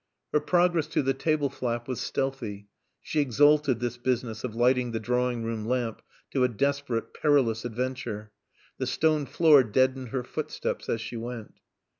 Her progress to the table flap was stealthy. She exalted this business of lighting the drawing room lamp to a desperate, perilous adventure. The stone floor deadened her footsteps as she went.